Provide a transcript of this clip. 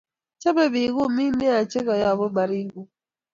Chame pik kumik nea che kayapu Baringo